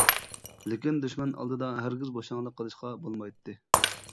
لېكىن دۈشمەن ئالدىدا ھەرگىز بوشاڭلىق قىلىشقا بولمايتتى.